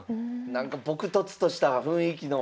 なんか朴とつとした雰囲気の。